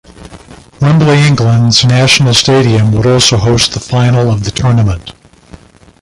Wembley, England's national stadium, would also host the Final of the tournament.